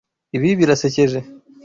Ibi birasekeje.